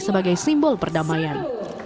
sebagai simbol perdamaian